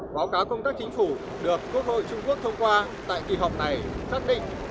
báo cáo công tác chính phủ được quốc hội trung quốc thông qua tại kỳ họp này xác định